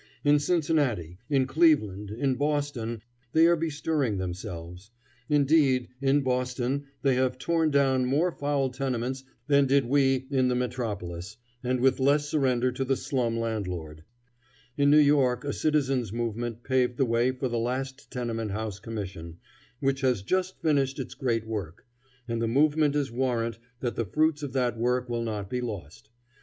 In Cincinnati, in Cleveland, in Boston, they are bestirring themselves. Indeed, in Boston they have torn down more foul tenements than did we in the metropolis, and with less surrender to the slum landlord. In New York a citizens' movement paved the way for the last Tenement House Commission, which has just finished its great work, and the movement is warrant that the fruits of that work will not be lost.